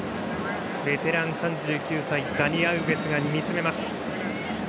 ベテラン３９歳のダニ・アウベス見つめます。